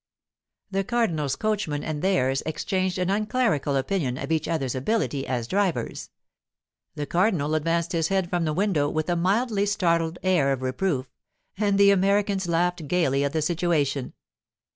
The cardinal's coachman and theirs exchanged an unclerical opinion of each other's ability as drivers. The cardinal advanced his head from the window with a mildly startled air of reproof, and the Americans laughed gaily at the situation.